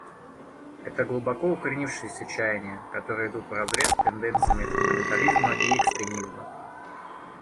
Это глубоко укоренившиеся чаяния, которые идут вразрез с тенденциями фундаментализма и экстремизма.